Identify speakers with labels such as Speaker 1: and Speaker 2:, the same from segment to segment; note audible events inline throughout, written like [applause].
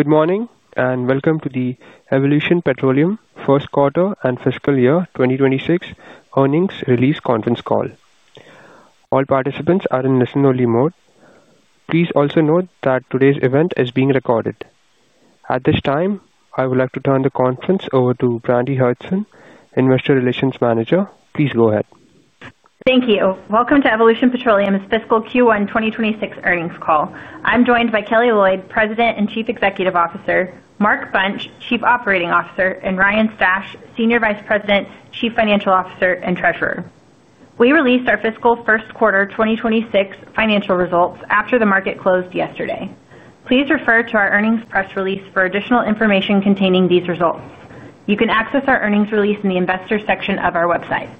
Speaker 1: Good morning and welcome to the Evolution Petroleum First Quarter and Fiscal Year 2026 Earnings Release Conference Call. All participants are in listen-only mode. Please also note that today's event is being recorded. At this time, I would like to turn the conference over to Brandi Hudson, Investor Relations Manager. Please go ahead.
Speaker 2: Thank you. Welcome to Evolution Petroleum's Fiscal Q1 2026 Earnings Call. I'm joined by Kelly Loyd, President and Chief Executive Officer; Mark Bunch, Chief Operating Officer; and Ryan Stash, Senior Vice President, Chief Financial Officer, and Treasurer. We released our Fiscal First Quarter 2026 financial results after the market closed yesterday. Please refer to our earnings press release for additional information containing these results. You can access our earnings release in the Investor section of our website.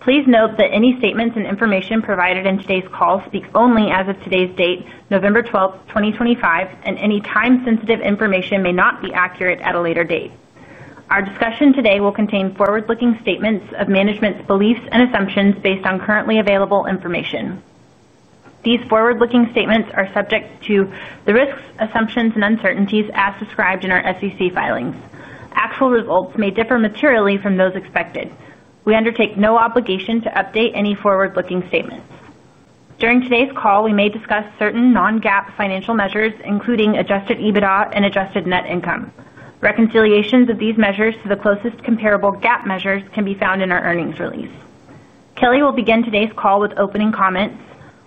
Speaker 2: Please note that any statements and information provided in today's call speak only as of today's date, November 12th, 2025, and any time-sensitive information may not be accurate at a later date. Our discussion today will contain forward-looking statements of management's beliefs and assumptions based on currently available information. These forward-looking statements are subject to the risks, assumptions, and uncertainties as described in our SEC filings. Actual results may differ materially from those expected. We undertake no obligation to update any forward-looking statements. During today's call, we may discuss certain non-GAAP financial measures, including Adjusted EBITDA and adjusted net income. Reconciliations of these measures to the closest comparable GAAP measures can be found in our earnings release. Kelly will begin today's call with opening comments.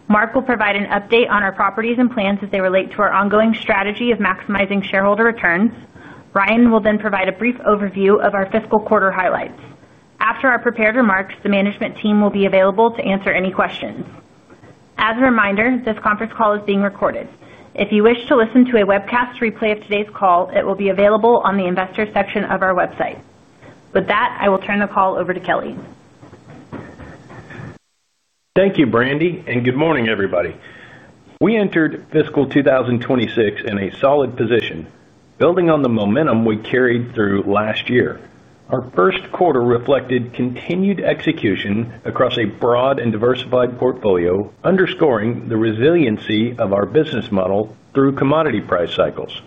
Speaker 2: Mark will provide an update on our properties and plans as they relate to our ongoing strategy of maximizing shareholder returns. Ryan will then provide a brief overview of our Fiscal Quarter highlights. After our prepared remarks, the management team will be available to answer any questions. As a reminder, this conference call is being recorded. If you wish to listen to a webcast replay of today's call, it will be available on the Investor section of our website. With that, I will turn the call over to Kelly.
Speaker 3: Thank you, Brandi, and good morning, everybody. We entered Fiscal 2026 in a solid position, building on the momentum we carried through last year. Our first quarter reflected continued execution across a broad and diversified portfolio, underscoring the resiliency of our business model through commodity price cycles.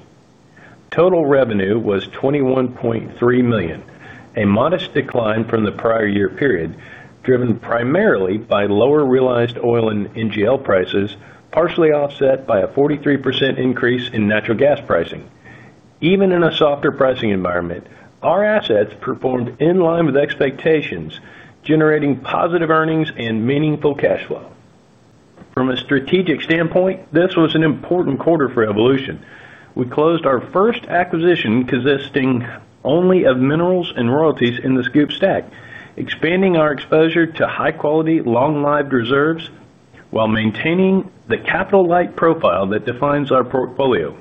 Speaker 3: Total revenue was $21.3 million, a modest decline from the prior year period, driven primarily by lower realized oil and NGL prices, partially offset by a 43% increase in natural gas pricing. Even in a softer pricing environment, our assets performed in line with expectations, generating positive earnings and meaningful cash flow. From a strategic standpoint, this was an important quarter for Evolution. We closed our first acquisition consisting only of minerals and royalties in the Scoop Stack, expanding our exposure to high-quality, long-lived reserves while maintaining the capital-light profile that defines our portfolio.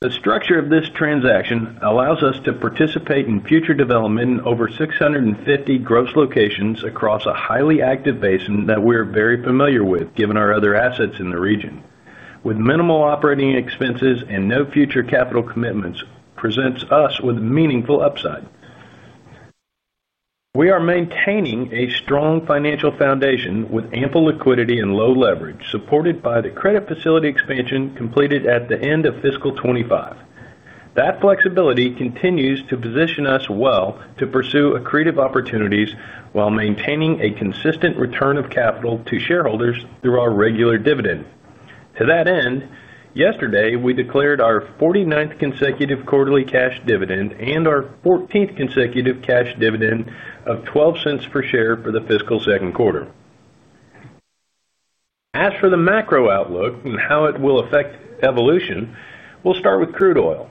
Speaker 3: The structure of this transaction allows us to participate in future development in over 650 gross locations across a highly active basin that we are very familiar with, given our other assets in the region. With minimal operating expenses and no future capital commitments, it presents us with meaningful upside. We are maintaining a strong financial foundation with ample liquidity and low leverage, supported by the credit facility expansion completed at the end of fiscal 2025. That flexibility continues to position us well to pursue accretive opportunities while maintaining a consistent return of capital to shareholders through our regular dividend. To that end, yesterday we declared our 49th consecutive quarterly cash dividend and our 14th consecutive cash dividend of $0.12 per share for the fiscal second quarter. As for the macro outlook and how it will affect Evolution, we'll start with crude oil.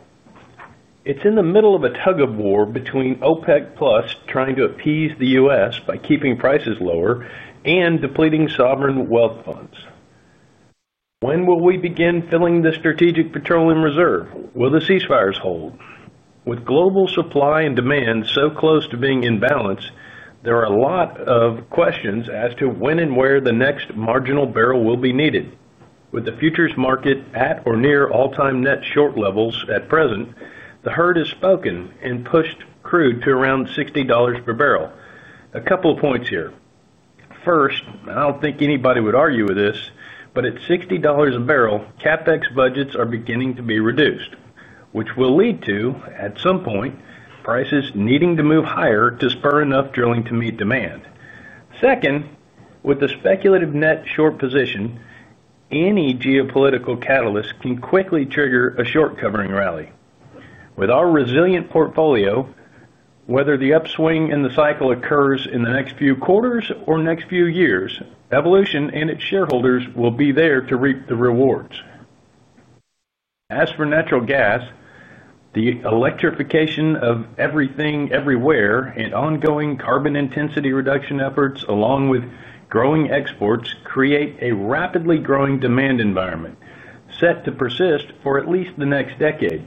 Speaker 3: It's in the middle of a tug-of-war between OPEC+ trying to appease the U.S. by keeping prices lower and depleting sovereign wealth funds. When will we begin filling the strategic petroleum reserve? Will the ceasefires hold? With global supply and demand so close to being in balance, there are a lot of questions as to when and where the next marginal barrel will be needed. With the futures market at or near all-time net short levels at present, the herd has spoken and pushed crude to around $60 per barrel. A couple of points here. First, I don't think anybody would argue with this, but at $60 a barrel, CapEx budgets are beginning to be reduced, which will lead to, at some point, prices needing to move higher to spur enough drilling to meet demand. Second, with the speculative net short position, any geopolitical catalyst can quickly trigger a short-covering rally. With our resilient portfolio, whether the upswing in the cycle occurs in the next few quarters or next few years, Evolution and its shareholders will be there to reap the rewards. As for natural gas, the electrification of everything everywhere and ongoing carbon intensity reduction efforts, along with growing exports, create a rapidly growing demand environment set to persist for at least the next decade.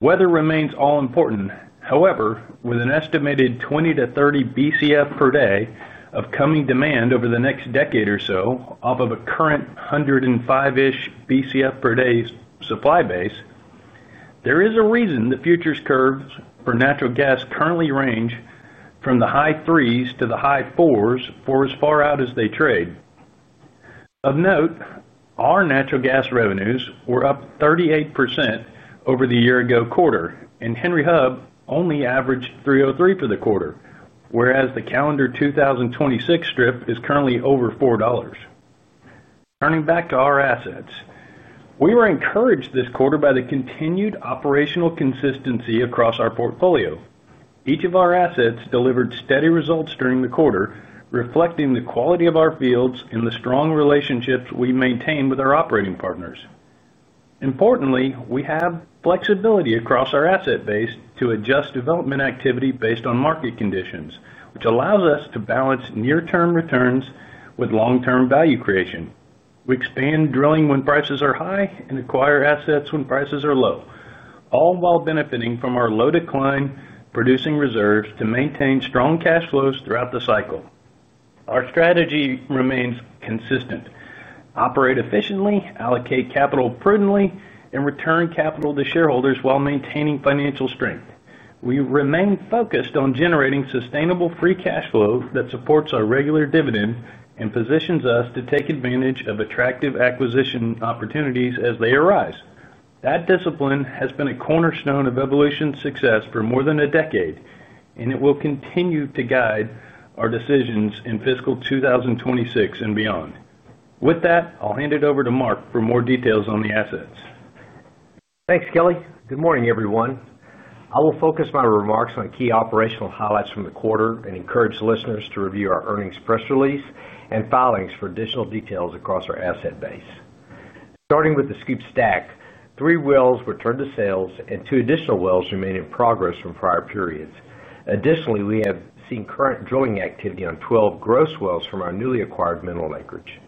Speaker 3: Weather remains all-important. However, with an estimated 20-30 BCF per day of coming demand over the next decade or so off of a current 105-ish BCF per day supply base, there is a reason the futures curves for natural gas currently range from the high threes to the high fours for as far out as they trade. Of note, our natural gas revenues were up 38% over the year-ago quarter, and Henry Hub only averaged $3.03 for the quarter, whereas the calendar 2026 strip is currently over $4. Turning back to our assets, we were encouraged this quarter by the continued operational consistency across our portfolio. Each of our assets delivered steady results during the quarter, reflecting the quality of our fields and the strong relationships we maintain with our operating partners. Importantly, we have flexibility across our asset base to adjust development activity based on market conditions, which allows us to balance near-term returns with long-term value creation. We expand drilling when prices are high and acquire assets when prices are low, all while benefiting from our low-decline producing reserves to maintain strong cash flows throughout the cycle. Our strategy remains consistent: operate efficiently, allocate capital prudently, and return capital to shareholders while maintaining financial strength. We remain focused on generating sustainable free cash flow that supports our regular dividend and positions us to take advantage of attractive acquisition opportunities as they arise. That discipline has been a cornerstone of Evolution's success for more than a decade, and it will continue to guide our decisions in Fiscal 2026 and beyond. With that, I'll hand it over to Mark for more details on the assets.
Speaker 4: Thanks, Kelly. Good morning, everyone. I will focus my remarks on key operational highlights from the quarter and encourage listeners to review our earnings press release and filings for additional details across our asset base. Starting with the Scoop Stack, three wells were turned to sales, and two additional wells remain in progress from prior periods. Additionally, we have seen current drilling activity on 12 gross wells from our newly acquired mineral acreage.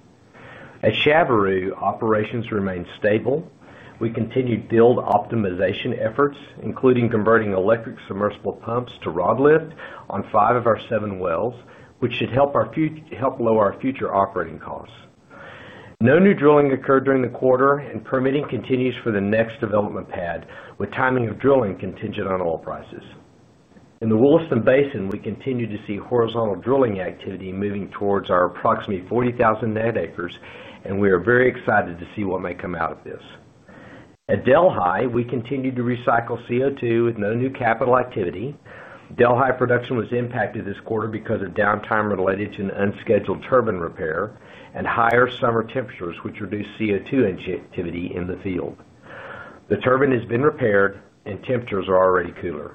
Speaker 4: At Chabrit, operations remain stable. We continue to build optimization efforts, including converting electric submersible pumps to rod lift on five of our seven wells, which should help lower our future operating costs. No new drilling occurred during the quarter, and permitting continues for the next development pad, with timing of drilling contingent on oil prices. In the Woolston Basin, we continue to see horizontal drilling activity moving towards our approximately 40,000 net acres, and we are very excited to see what may come out of this. At Delhi, we continue to recycle CO2 with no new capital activity. Delhi production was impacted this quarter because of downtime related to an unscheduled turbine repair and higher summer temperatures, which reduced CO2 injectivity in the field. The turbine has been repaired, and temperatures are already cooler.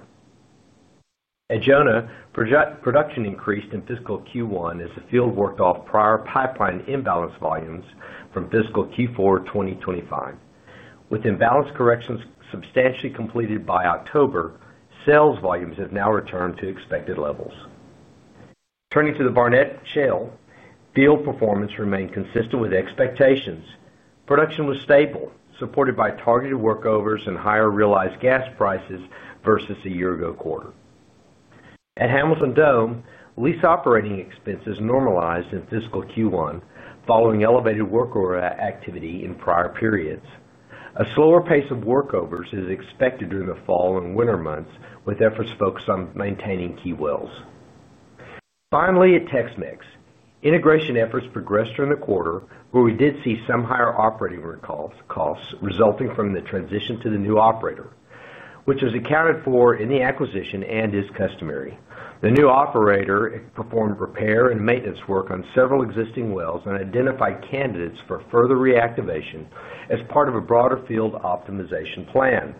Speaker 4: At Jonah, production increased in Fiscal Q1 as the field worked off prior pipeline imbalance volumes from Fiscal Q4 2025. With imbalance corrections substantially completed by October, sales volumes have now returned to expected levels. Turning to the Barnett Shale, field performance remained consistent with expectations. Production was stable, supported by targeted workovers and higher realized gas prices versus the year-ago quarter. At Hamilton Dome, lease operating expenses normalized in Fiscal Q1 following elevated workover activity in prior periods. A slower pace of workovers is expected during the fall and winter months, with efforts focused on maintaining key wells. Finally, at Tex-Mex, integration efforts progressed during the quarter, where we did see some higher operating costs resulting from the transition to the new operator, which was accounted for in the acquisition and is customary. The new operator performed repair and maintenance work on several existing wells and identified candidates for further reactivation as part of a broader field optimization plan.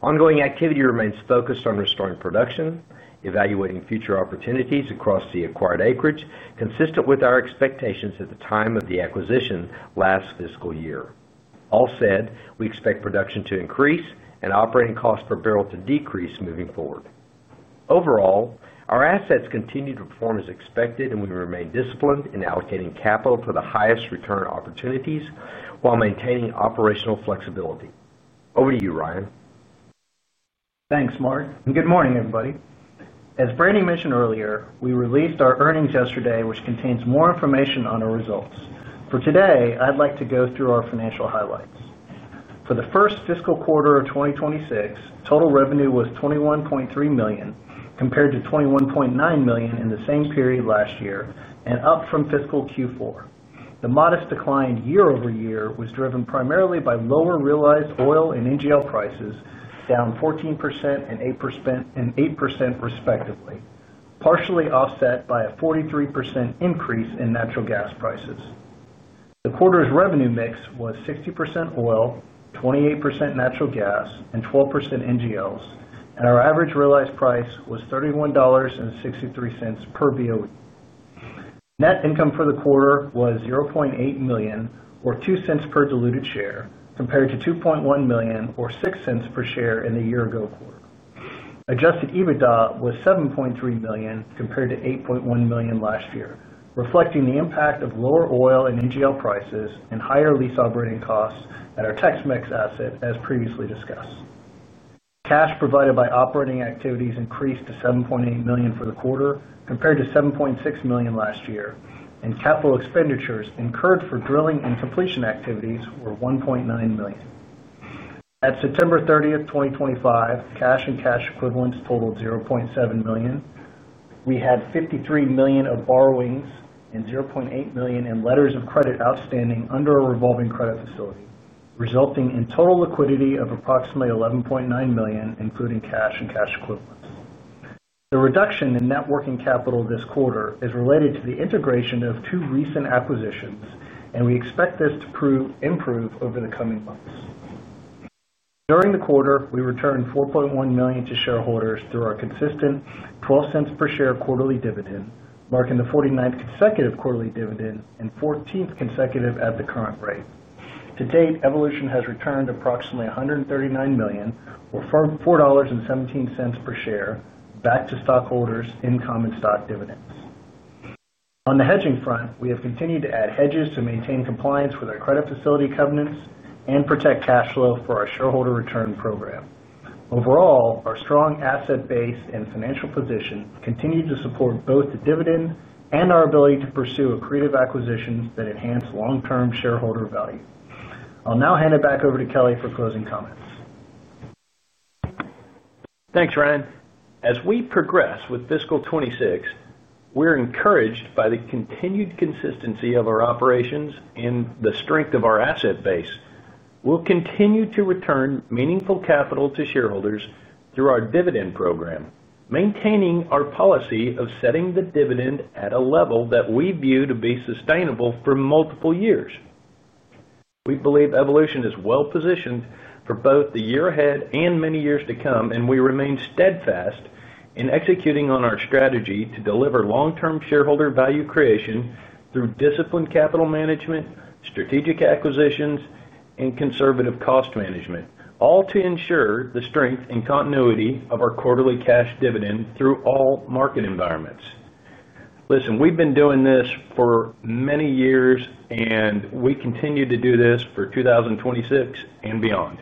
Speaker 4: Ongoing activity remains focused on restoring production, evaluating future opportunities across the acquired acreage, consistent with our expectations at the time of the acquisition last fiscal year. All said, we expect production to increase and operating costs per barrel to decrease moving forward. Overall, our assets continue to perform as expected, and we remain disciplined in allocating capital to the highest return opportunities while maintaining operational flexibility. Over to you, Ryan.
Speaker 5: Thanks, Mark. Good morning, everybody. As Brandi mentioned earlier, we released our earnings yesterday, which contains more information on our results. For today, I'd like to go through our financial highlights. For the first fiscal quarter of 2026, total revenue was $21.3 million compared to $21.9 million in the same period last year and up from fiscal Q4. The modest decline year-over-year was driven primarily by lower realized oil and NGL prices, down 14% and 8% respectively, partially offset by a 43% increase in natural gas prices. The quarter's revenue mix was 60% oil, 28% natural gas, and 12% NGLs, and our average realized price was $31.63 per BOE. Net income for the quarter was $0.8 million, or $0.02 per diluted share, compared to $2.1 million, or $0.06 per share in the year-ago quarter. Adjusted EBITDA was $7.3 million compared to $8.1 million last year, reflecting the impact of lower oil and NGL prices and higher lease operating costs at our Tex-Mex asset, as previously discussed. Cash provided by operating activities increased to $7.8 million for the quarter, compared to $7.6 million last year, and capital expenditures incurred for drilling and completion activities were $1.9 million. At September 30, 2025, cash and cash equivalents totaled $0.7 million. We had $53 million of borrowings and $0.8 million in letters of credit outstanding under a revolving credit facility, resulting in total liquidity of approximately $11.9 million, including cash and cash equivalents. The reduction in net working capital this quarter is related to the integration of two recent acquisitions, and we expect this to improve over the coming months. During the quarter, we returned $4.1 million to shareholders through our consistent $0.12 per share quarterly dividend, marking the 49th consecutive quarterly dividend and 14th consecutive at the current rate. To date, Evolution has returned approximately $139 million, or $4.17 per share, back to stockholders in common stock dividends. On the hedging front, we have continued to add hedges to maintain compliance with our credit facility covenants and protect cash flow for our shareholder return program. Overall, our strong asset base and financial position continue to support both the dividend and our ability to pursue accretive acquisitions that enhance long-term shareholder value. I'll now hand it back over to Kelly for closing comments.
Speaker 3: Thanks, Ryan. As we progress with Fiscal 2026, we're encouraged by the continued consistency of our operations and the strength of our asset base. We'll continue to return meaningful capital to shareholders through our dividend program, maintaining our policy of setting the dividend at a level that we view to be sustainable for multiple years. We believe Evolution is well-positioned for both the year ahead and many years to come, and we remain steadfast in executing on our strategy to deliver long-term shareholder value creation through disciplined capital management, strategic acquisitions, and conservative cost management, all to ensure the strength and continuity of our quarterly cash dividend through all market environments. Listen, we've been doing this for many years, and we continue to do this for 2026 and beyond.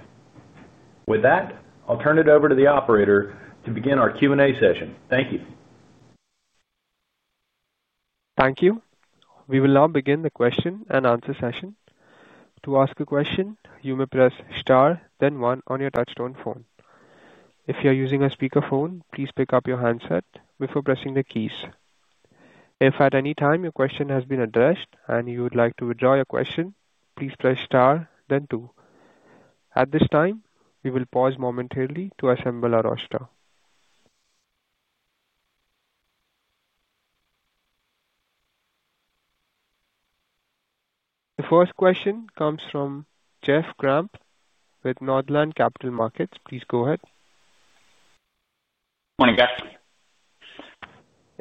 Speaker 3: With that, I'll turn it over to the operator to begin our Q&A session. Thank you.
Speaker 1: Thank you. We will now begin the question and answer session. To ask a question, you may press star, then one on your touchstone phone. If you're using a speakerphone, please pick up your handset before pressing the keys. If at any time your question has been addressed and you would like to withdraw your question, please press star, then two. At this time, we will pause momentarily to assemble our roster. The first question comes from Jeff Grampp with Northland Capital Markets. Please go ahead.
Speaker 6: Good morning, guys.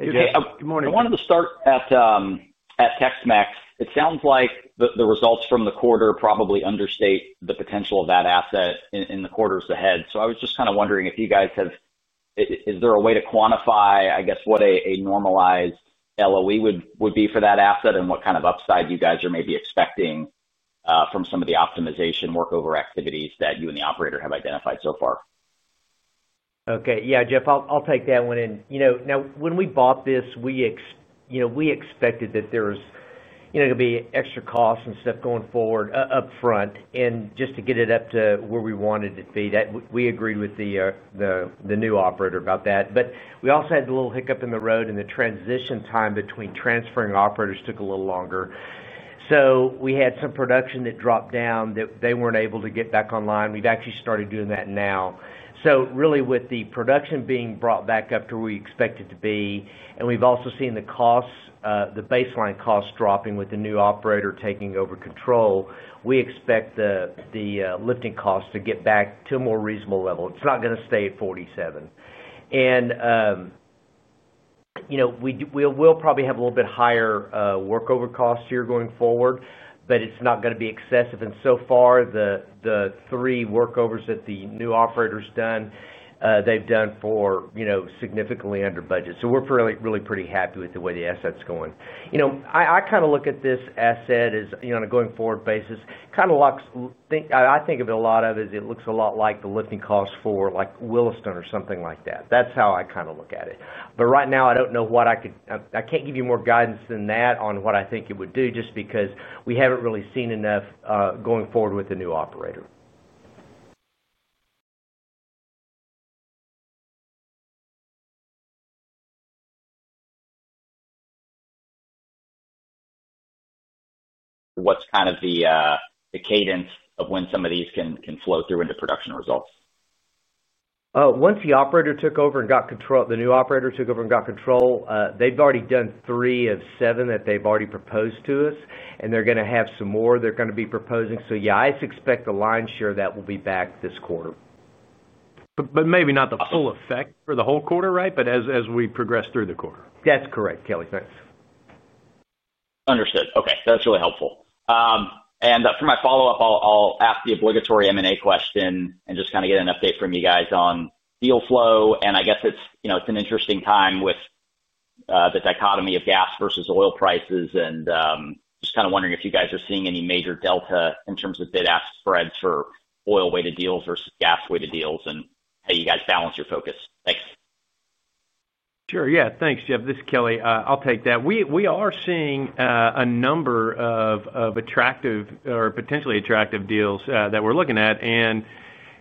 Speaker 6: [crosstalk] Good morning. I wanted to start at Tex-Mex. It sounds like the results from the quarter probably understate the potential of that asset in the quarters ahead. I was just kind of wondering if you guys have—is there a way to quantify, I guess, what a normalized LOE would be for that asset and what kind of upside you guys are maybe expecting from some of the optimization workover activities that you and the operator have identified so far?
Speaker 5: Okay. Yeah, Jeff, I'll take that one in. Now, when we bought this, we expected that there was going to be extra costs and stuff going forward upfront and just to get it up to where we wanted it to be. We agreed with the new operator about that. We also had a little hiccup in the road, and the transition time between transferring operators took a little longer. We had some production that dropped down that they were not able to get back online. We've actually started doing that now. Really, with the production being brought back up to where we expected it to be, and we've also seen the baseline costs dropping with the new operator taking over control, we expect the lifting costs to get back to a more reasonable level. It's not going to stay at 47. We'll probably have a little bit higher workover costs here going forward, but it's not going to be excessive. So far, the three workovers that the new operator's done, they've done for significantly under budget. We're really pretty happy with the way the asset's going. I kind of look at this asset on a going-forward basis. I think of it a lot of is it looks a lot like the lifting costs for Woolston or something like that. That's how I kind of look at it. Right now, I don't know what I could—I can't give you more guidance than that on what I think it would do just because we haven't really seen enough going forward with the new operator.
Speaker 6: What's kind of the cadence of when some of these can flow through into production results?
Speaker 5: Once the operator took over and got control, the new operator took over and got control, they've already done three of seven that they've already proposed to us, and they're going to have some more they're going to be proposing. Yeah, I expect the lion's share of that will be back this quarter.
Speaker 3: Maybe not the full effect for the whole quarter, right? But as we progress through the quarter.
Speaker 5: That's correct, Kelly. Thanks.
Speaker 6: Understood. Okay. That's really helpful. For my follow-up, I'll ask the obligatory M&A question and just kind of get an update from you guys on deal flow. I guess it's an interesting time with the dichotomy of gas versus oil prices, and just kind of wondering if you guys are seeing any major delta in terms of bid-ask spreads for oil-weighted deals versus gas-weighted deals, and how you guys balance your focus. Thanks.
Speaker 3: Sure. Yeah. Thanks. Yeah, this, Kelly, I'll take that. We are seeing a number of attractive or potentially attractive deals that we're looking at, and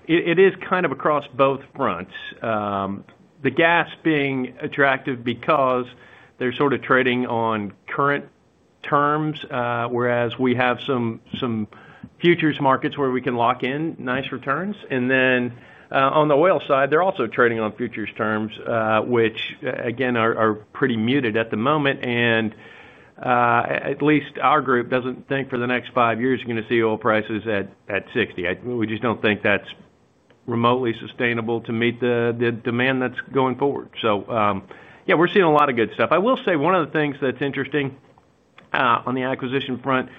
Speaker 3: it is kind of across both fronts. The gas being attractive because they're sort of trading on current terms, whereas we have some futures markets where we can lock in nice returns. On the oil side, they're also trading on futures terms, which, again, are pretty muted at the moment. At least our group does not think for the next five years you're going to see oil prices at $60. We just do not think that's remotely sustainable to meet the demand that's going forward. Yeah, we're seeing a lot of good stuff. I will say one of the things that's interesting on the acquisition front,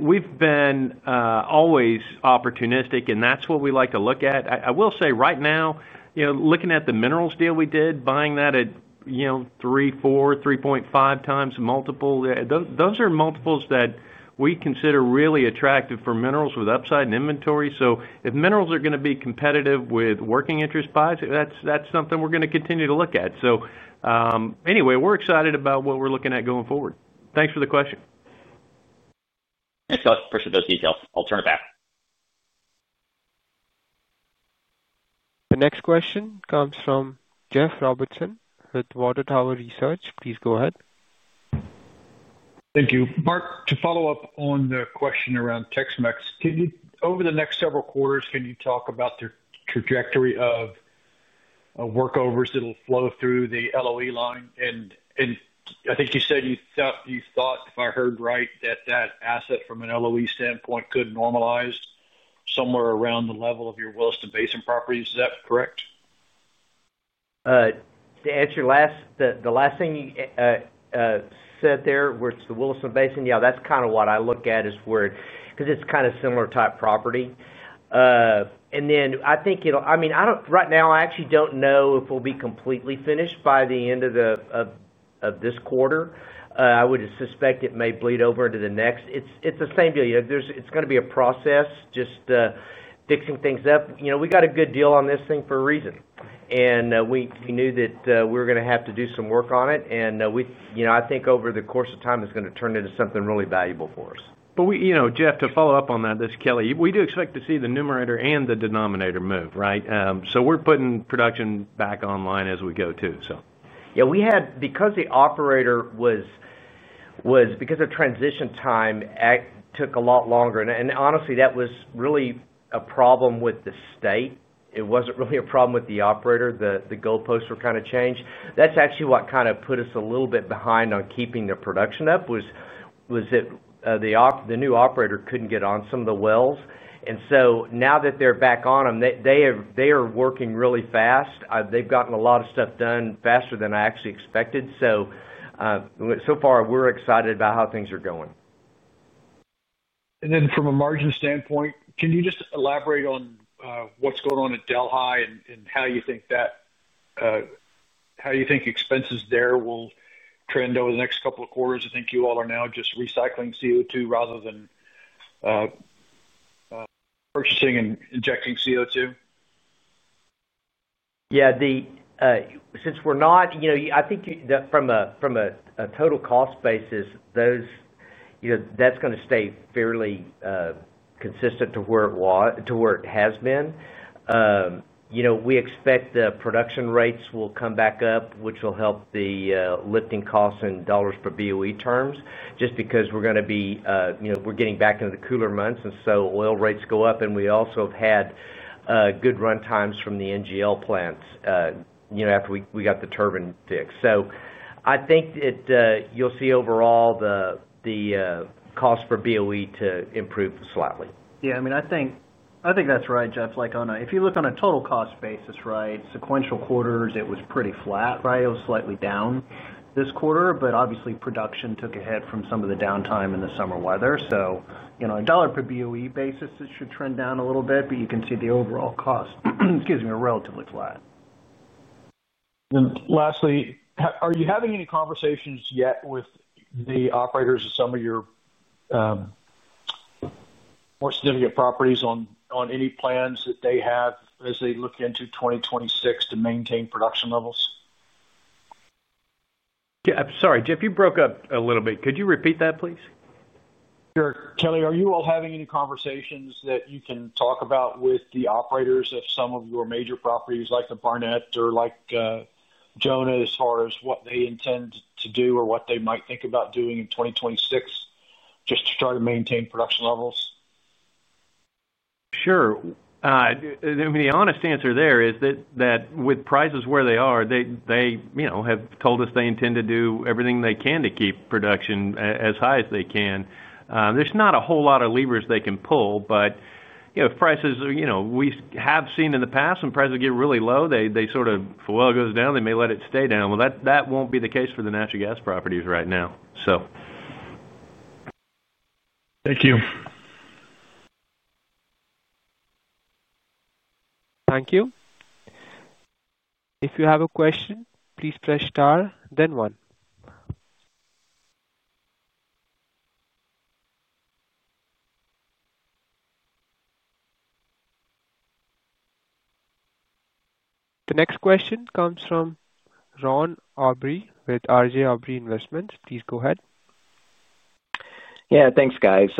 Speaker 3: we've been always opportunistic, and that's what we like to look at. I will say right now, looking at the minerals deal we did, buying that at 3.4-3.5 times multiple, those are multiples that we consider really attractive for minerals with upside in inventory. If minerals are going to be competitive with working interest buys, that's something we're going to continue to look at. Anyway, we're excited about what we're looking at going forward. Thanks for the question.
Speaker 6: Thanks, guys. Appreciate those details. I'll turn it back.
Speaker 1: The next question comes from Jeff Robertson with Water Tower Research. Please go ahead.
Speaker 7: Thank you. Mark, to follow up on the question around Tex-Mex, over the next several quarters, can you talk about the trajectory of workovers that will flow through the LOE line? I think you said you thought, if I heard right, that that asset from an LOE standpoint could normalize somewhere around the level of your Woolston Basin properties. Is that correct?
Speaker 4: To answer the last thing you said there, which is the Woolston Basin, yeah, that's kind of what I look at as where it's because it's kind of similar type property. I think it'll—I mean, right now, I actually don't know if we'll be completely finished by the end of this quarter. I would suspect it may bleed over into the next. It's the same deal. It's going to be a process, just fixing things up. We got a good deal on this thing for a reason, and we knew that we were going to have to do some work on it. I think over the course of time, it's going to turn into something really valuable for us.
Speaker 3: Jeff, to follow up on that, this is Kelly. We do expect to see the numerator and the denominator move, right? We're putting production back online as we go too.
Speaker 4: Yeah. Because the operator was—because of transition time, it took a lot longer. And honestly, that was really a problem with the state. It was not really a problem with the operator. The goalposts were kind of changed. That is actually what kind of put us a little bit behind on keeping the production up, was that the new operator could not get on some of the wells. Now that they are back on them, they are working really fast. They have gotten a lot of stuff done faster than I actually expected. So far, we are excited about how things are going.
Speaker 7: From a margin standpoint, can you just elaborate on what's going on at Delhi and how you think that—how you think expenses there will trend over the next couple of quarters? I think you all are now just recycling CO2 rather than purchasing and injecting CO2.
Speaker 4: Yeah. Since we're not—I think from a total cost basis, that's going to stay fairly consistent to where it has been. We expect the production rates will come back up, which will help the lifting costs in dollars per BOE terms, just because we're going to be—we're getting back into the cooler months. Oil rates go up, and we also have had good runtimes from the NGL plants after we got the turbine fixed. I think that you'll see overall the cost for BOE to improve slightly.
Speaker 5: Yeah. I mean, I think that's right, Jeff, like on a—if you look on a total cost basis, right, sequential quarters, it was pretty flat, right? It was slightly down this quarter. Obviously, production took a hit from some of the downtime in the summer weather. On a dollar per BOE basis, it should trend down a little bit, but you can see the overall cost, excuse me, are relatively flat.
Speaker 7: Are you having any conversations yet with the operators of some of your more significant properties on any plans that they have as they look into 2026 to maintain production levels?
Speaker 3: Yeah. Sorry, Jeff, you broke up a little bit. Could you repeat that, please?
Speaker 7: Sure. Kelly, are you all having any conversations that you can talk about with the operators of some of your major properties like the Barnett or like Jonah as far as what they intend to do or what they might think about doing in 2026 just to try to maintain production levels?
Speaker 3: Sure. The honest answer there is that with prices where they are, they have told us they intend to do everything they can to keep production as high as they can. There's not a whole lot of levers they can pull, but if prices—we have seen in the past when prices get really low, they sort of, if oil goes down, they may let it stay down. That won't be the case for the natural gas properties right now, so.
Speaker 7: Thank you.
Speaker 1: Thank you. If you have a question, please press star, then one. The next question comes from Ron Aubrey with RJ Aubrey Investments. Please go ahead.
Speaker 8: Yeah. Thanks, guys.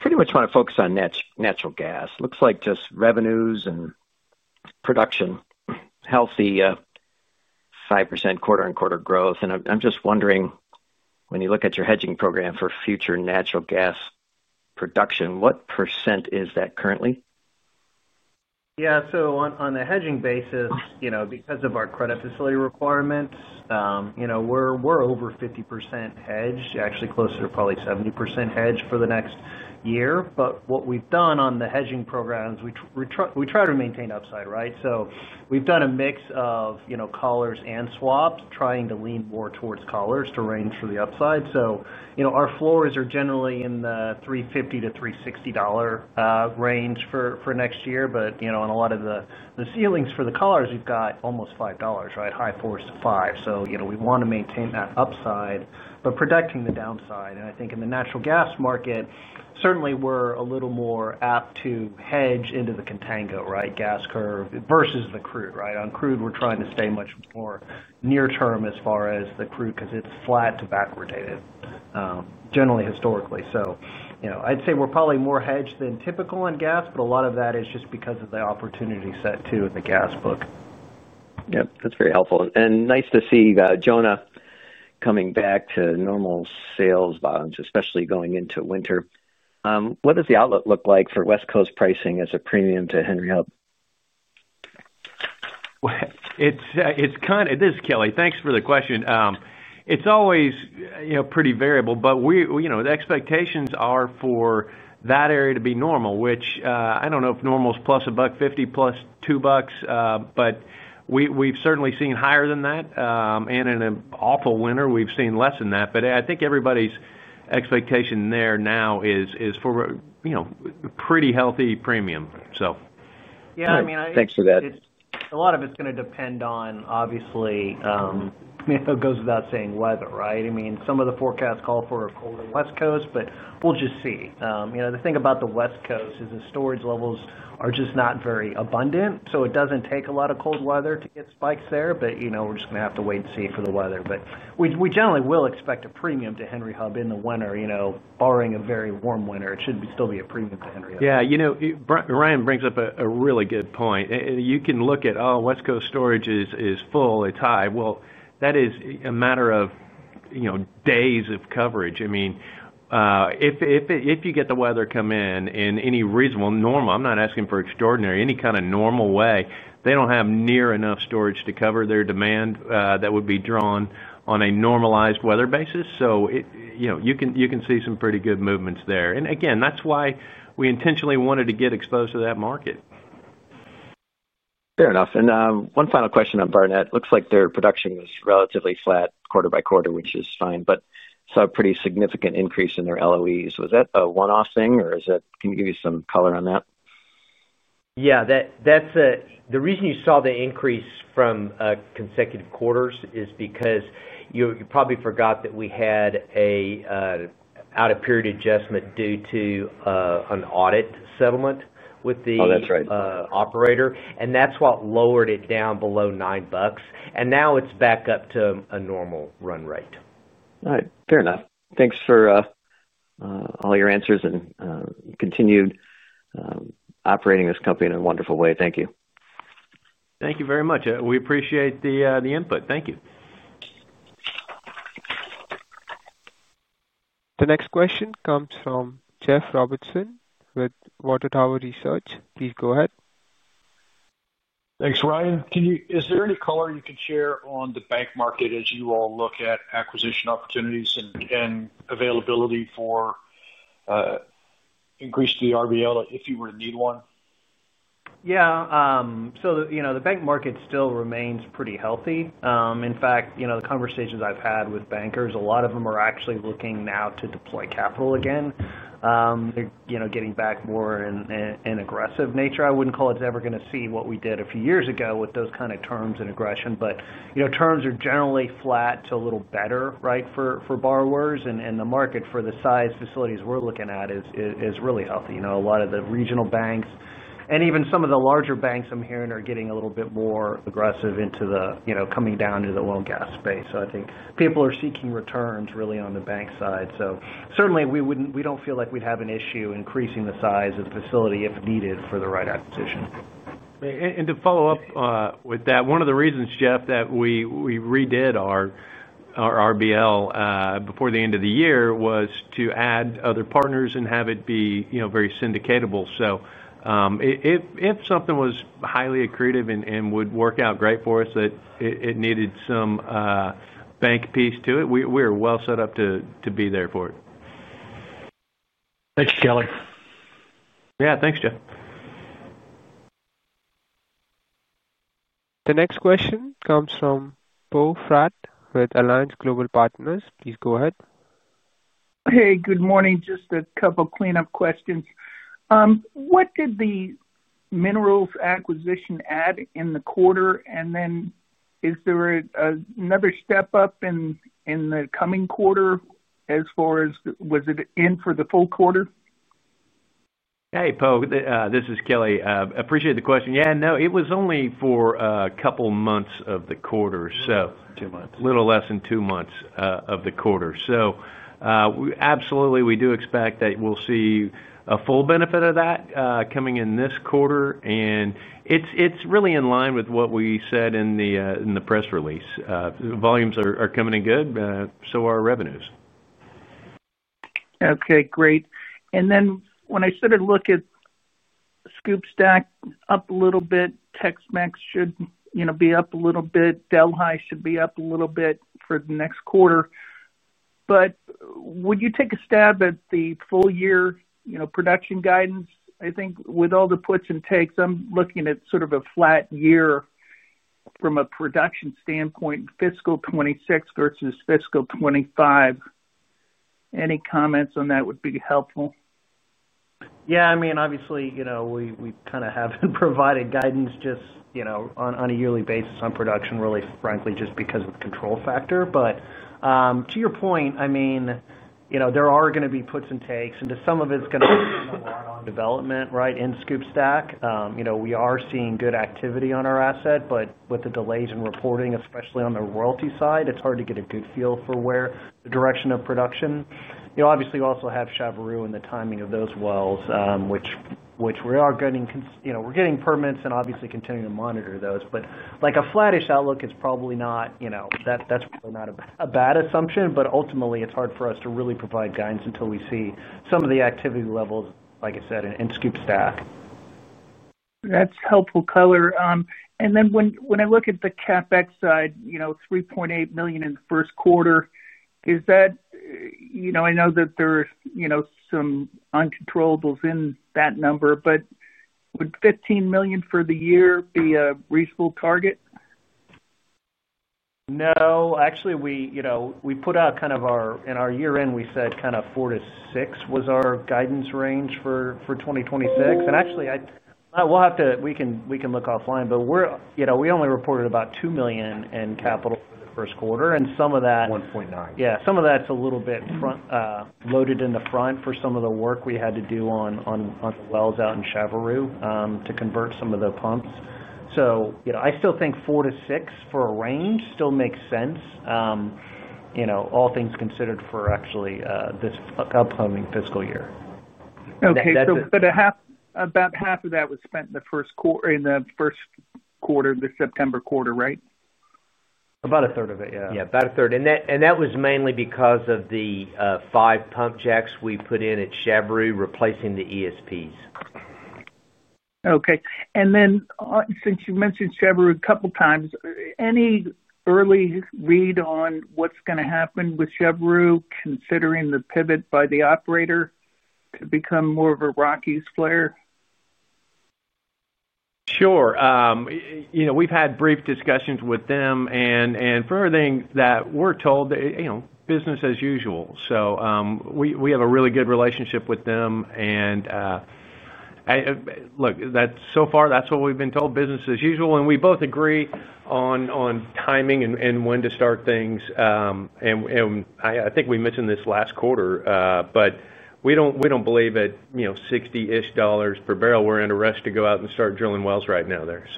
Speaker 8: Pretty much want to focus on natural gas. Looks like just revenues and production, healthy 5% quarter-on-quarter growth. I'm just wondering, when you look at your hedging program for future natural gas production, what percent is that currently?
Speaker 5: Yeah. On a hedging basis, because of our credit facility requirements, we're over 50% hedged, actually closer to probably 70% hedged for the next year. What we've done on the hedging programs, we try to maintain upside, right? We've done a mix of collars and swaps, trying to lean more towards collars to range for the upside. Our floors are generally in the $3.50-$3.60 range for next year. On a lot of the ceilings for the collars, we've got almost $5, right? High floors to $5. We want to maintain that upside but protect the downside. I think in the natural gas market, certainly, we're a little more apt to hedge into the contango, right? Gas curve versus the crude, right? On crude, we're trying to stay much more near-term as far as the crude because it's flat to backward dated, generally historically. I'd say we're probably more hedged than typical on gas, but a lot of that is just because of the opportunity set too in the gas book.
Speaker 8: Yeah. That's very helpful. Nice to see Jonah coming back to normal sales volumes, especially going into winter. What does the outlook look like for West Coast pricing as a premium to Henry Hub?
Speaker 3: It's kind of—it is, Kelly. Thanks for the question. It's always pretty variable, but the expectations are for that area to be normal, which I don't know if normal is plus $1.50 plus $2, but we've certainly seen higher than that. In an awful winter, we've seen less than that. I think everybody's expectation there now is for a pretty healthy premium, so.
Speaker 8: Yeah. I mean. Thanks for that.
Speaker 5: A lot of it's going to depend on, obviously, it goes without saying, weather, right? I mean, some of the forecasts call for a colder West Coast, but we'll just see. The thing about the West Coast is the storage levels are just not very abundant, so it doesn't take a lot of cold weather to get spikes there, but we're just going to have to wait and see for the weather. We generally will expect a premium to Henry Hub in the winter, barring a very warm winter. It should still be a premium to Henry Hub.
Speaker 3: Yeah. Ryan brings up a really good point. You can look at, "Oh, West Coast storage is full. It's high." Well, that is a matter of days of coverage. I mean, if you get the weather come in in any reasonable, normal—I am not asking for extraordinary—any kind of normal way, they do not have near enough storage to cover their demand that would be drawn on a normalized weather basis. You can see some pretty good movements there. That is why we intentionally wanted to get exposed to that market.
Speaker 8: Fair enough. One final question on Barnett. It looks like their production was relatively flat quarter by quarter, which is fine, but saw a pretty significant increase in their LOEs. Was that a one-off thing, or can you give you some color on that?
Speaker 5: Yeah. The reason you saw the increase from consecutive quarters is because you probably forgot that we had an out-of-period adjustment due to an audit settlement with the.
Speaker 8: Oh, that's right.
Speaker 5: That's what lowered it down below $9, and now it's back up to a normal run rate.
Speaker 8: All right. Fair enough. Thanks for all your answers and continued operating this company in a wonderful way. Thank you.
Speaker 5: Thank you very much. We appreciate the input. Thank you.
Speaker 1: The next question comes from Jeff Robertson with Water Tower Research. Please go ahead.
Speaker 7: Thanks, Ryan. Is there any color you can share on the bank market as you all look at acquisition opportunities and availability for increase to the RBL if you were to need one?
Speaker 5: Yeah. The bank market still remains pretty healthy. In fact, the conversations I've had with bankers, a lot of them are actually looking now to deploy capital again, getting back more in an aggressive nature. I wouldn't call it ever going to see what we did a few years ago with those kind of terms and aggression. Terms are generally flat to a little better, right, for borrowers. The market for the size facilities we're looking at is really healthy. A lot of the regional banks and even some of the larger banks I'm hearing are getting a little bit more aggressive into the coming down into the oil and gas space. I think people are seeking returns really on the bank side. Certainly, we don't feel like we'd have an issue increasing the size of the facility if needed for the right acquisition.
Speaker 3: To follow up with that, one of the reasons, Jeff, that we redid our RBL before the end of the year was to add other partners and have it be very syndicatable. If something was highly accretive and would work out great for us, that it needed some bank piece to it, we are well set up to be there for it.
Speaker 7: Thanks, Kelly. Yeah. Thanks, Jeff.
Speaker 1: The next question comes from Poe Fratt with Alliance Global Partners. Please go ahead.
Speaker 9: Hey, good morning. Just a couple of cleanup questions. What did the minerals acquisition add in the quarter? Is there another step up in the coming quarter as far as was it in for the full quarter?
Speaker 3: Hey, Poe. This is Kelly. Appreciate the question. Yeah. No, it was only for a couple months of the quarter, so.
Speaker 5: Two months.
Speaker 3: A little less than two months of the quarter. Absolutely, we do expect that we'll see a full benefit of that coming in this quarter. It is really in line with what we said in the press release. Volumes are coming in good, so are revenues.
Speaker 9: Okay. Great. When I sort of look at Scoop Stack up a little bit, Tex-Mex should be up a little bit. Delhi should be up a little bit for the next quarter. Would you take a stab at the full-year production guidance? I think with all the puts and takes, I'm looking at sort of a flat year from a production standpoint, fiscal 2026 versus fiscal 2025. Any comments on that would be helpful?
Speaker 3: Yeah. I mean, obviously, we kind of have provided guidance just on a yearly basis on production, really, frankly, just because of the control factor. To your point, I mean, there are going to be puts and takes, and some of it is going to depend a lot on development, right, in Scoop Stack. We are seeing good activity on our asset, but with the delays in reporting, especially on the royalty side, it is hard to get a good feel for where the direction of production is. Obviously, we also have Chavert and the timing of those wells, which we are getting—we are getting permits and obviously continuing to monitor those. A flattish outlook is probably not—that is probably not a bad assumption, but ultimately, it is hard for us to really provide guidance until we see some of the activity levels, like I said, in Scoop Stack.
Speaker 9: That's helpful, Kelly. And then when I look at the CapEx side, $3.8 million in the first quarter, is that—I know that there are some uncontrollables in that number, but would $15 million for the year be a reasonable target?
Speaker 3: No. Actually, we put out kind of our—in our year-end, we said kind of four to six was our guidance range for 2026. Actually, we'll have to—we can look offline, but we only reported about $2 million in capital for the first quarter, and some of that.
Speaker 5: 1.9.
Speaker 3: Yeah. Some of that's a little bit loaded in the front for some of the work we had to do on the wells out in Chavert to convert some of the pumps. I still think 4-6 for a range still makes sense, all things considered for actually this upcoming fiscal year.
Speaker 9: Okay. So about half of that was spent in the first quarter of the September quarter, right?
Speaker 5: About a third of it, yeah.
Speaker 3: Yeah. About a third. That was mainly because of the five pump jacks we put in at Chavert replacing the ESPs.
Speaker 9: Okay. And then since you mentioned Chavert a couple of times, any early read on what's going to happen with Chavert considering the pivot by the operator to become more of a Rockies player?
Speaker 3: Sure. We've had brief discussions with them. For everything that we're told, business as usual. We have a really good relationship with them. Look, so far, that's what we've been told: business as usual. We both agree on timing and when to start things. I think we mentioned this last quarter, but we don't believe at $60-ish per barrel we're in a rush to go out and start drilling wells right now there.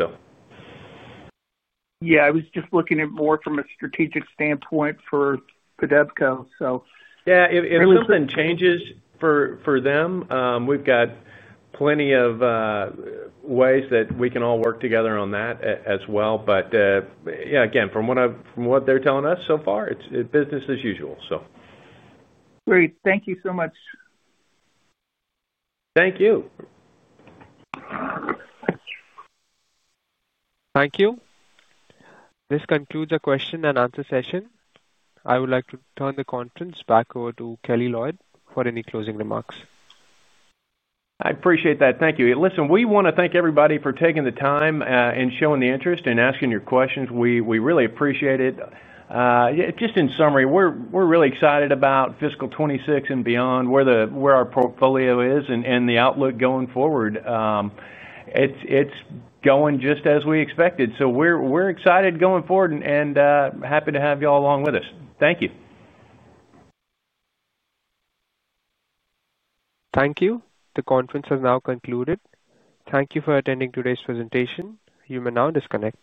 Speaker 9: Yeah. I was just looking at it more from a strategic standpoint for Evolution Petroleum, so.
Speaker 3: Yeah. If something changes for them, we've got plenty of ways that we can all work together on that as well. Yeah, again, from what they're telling us so far, it's business as usual.
Speaker 9: Great. Thank you so much.
Speaker 3: Thank you.
Speaker 1: Thank you. This concludes our question and answer session. I would like to turn the conference back over to Kelly Loyd for any closing remarks.
Speaker 3: I appreciate that. Thank you. Listen, we want to thank everybody for taking the time and showing the interest and asking your questions. We really appreciate it. Just in summary, we're really excited about fiscal 2026 and beyond, where our portfolio is and the outlook going forward. It's going just as we expected. We are excited going forward and happy to have you all along with us. Thank you.
Speaker 1: Thank you. The conference has now concluded. Thank you for attending today's presentation. You may now disconnect.